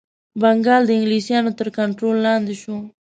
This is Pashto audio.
بنګال د انګلیسیانو تر کنټرول لاندي شو.